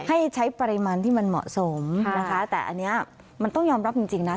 ให้ใช้ปริมาณที่มันเหมาะสมนะคะแต่อันนี้มันต้องยอมรับจริงนะ